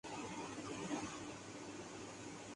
bank میں بڑے افسر کے پاس